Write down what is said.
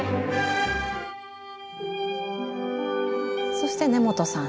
そして根本さん。